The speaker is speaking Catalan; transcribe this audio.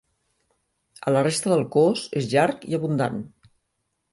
A la resta del cos és llarg i abundant.